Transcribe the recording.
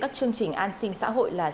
các chương trình an sinh xã hội là